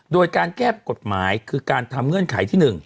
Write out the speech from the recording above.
โดยการแก้กฎหมายคือการทำเงื่อนไขที่๑